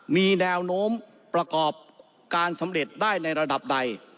มีแนวโน้มประกอบการสำเร็จได้ในระดับใด